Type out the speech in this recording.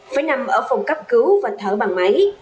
phải nằm ở phòng cấp cứu và thở bằng máy